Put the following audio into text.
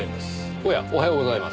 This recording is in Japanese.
おやおはようございます。